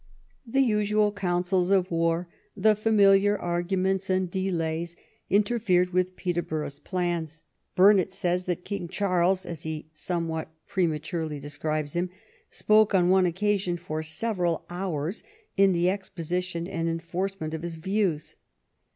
The usual councils of war, the familiar arguments and delays, interfered with Peterborough's plans. Burnet says that King Charles, as he somewhat pre maturely describes him, spoke on one occasion for several hours in the exposition and enforcement of his views.